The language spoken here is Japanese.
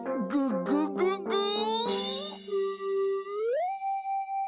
「ググググー」